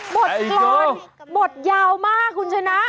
บทกรรมบทยาวมากคุณชนะ